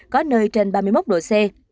có nơi trên ba mươi một độ c